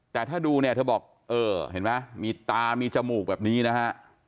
แต่ถ้าดูเนี่ยเธอบอกเออเห็นไหมมีตามีจมูกแบบนี้นะฮะ